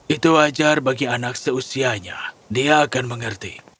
itu wajar bagi anak seusianya dia akan mengerti